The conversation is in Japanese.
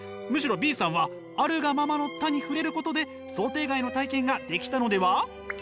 むしろＢさんは「あるがままの多」に触れることで想定外の体験ができたのでは？